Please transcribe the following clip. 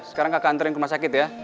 sekarang kakak antarin ke rumah sakit ya